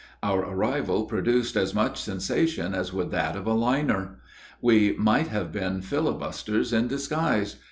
Our arrival produced as much sensation as would that of a liner. We might have been filibusters in disguise.